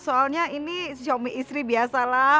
soalnya ini suami istri biasa lah